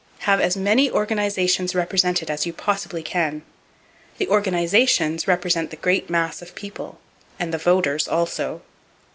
Have as many organizations represented as you possibly can! The "organizations" represent the great mass of people, and the voters also.